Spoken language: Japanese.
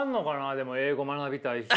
でも英語学びたい人。